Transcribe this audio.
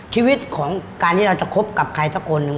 ชีวิตของการที่เราจะคบกับใครสักคนหนึ่ง